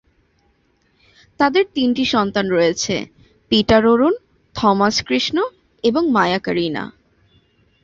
তাদের তিনটি সন্তান রয়েছে: পিটার অরুণ, থমাস কৃষ্ণ এবং মায়া কারিনা।